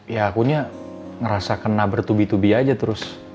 ya akunya ngerasa kena bertubi tubi aja terus